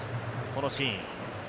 このシーン。